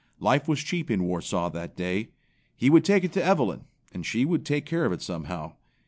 Life was cheap in Warsaw that day. He would take it to Evelyn and she would take care of it somehow.